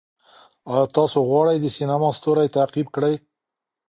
آیا تاسې غواړئ د سینما ستوری تعقیب کړئ؟